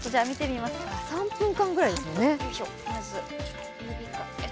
３分間ぐらいですもんね。